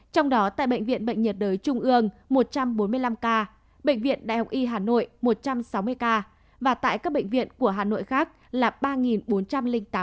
trong đó tại bệnh viện bệnh nhiệt đới trung ương một trăm bốn mươi năm ca bệnh viện đại học y hà nội một trăm sáu mươi ca và tại các bệnh viện của hà nội khác là ba bốn trăm linh tám ca